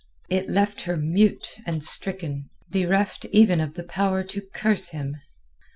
It left her mute and stricken, bereft even of the power to curse him.